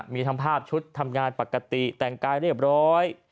มีทั้งภาพชุดทำงานปกติแต่งกายเรียบร้อย